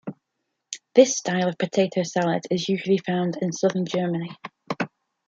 This style of potato salad is usually found in Southern Germany.